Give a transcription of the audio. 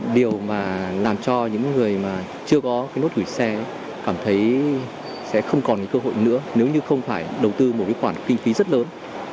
điều mà làm cho những người mà chưa có cái nốt gửi xe cảm thấy sẽ không còn cơ hội nữa nếu như không phải đầu tư một cái khoản kinh phí rất lớn